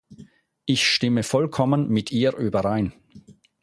Ich stimme vollkommen mit ihr überein.